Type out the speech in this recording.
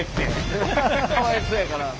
かわいそうやから。